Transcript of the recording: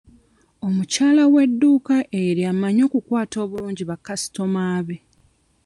Omukyala w'edduuka eryo amanyi okukwata obulungi ba kasitooma be.